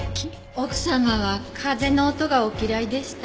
奥様は風の音がお嫌いでした。